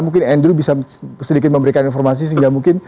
mungkin andrew bisa sedikit memberikan informasi sehingga mungkin